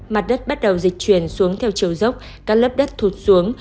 mặt đất bắt đầu dịch chuyển xuống theo chiều dốc các lớp đất thụt xuống